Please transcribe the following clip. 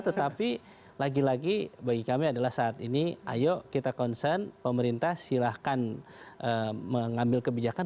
tetapi lagi lagi bagi kami adalah saat ini ayo kita concern pemerintah silahkan mengambil kebijakan